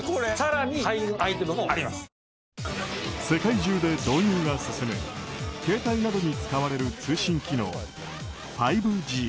世界中で導入が進む携帯などに使われる通信機能５Ｇ。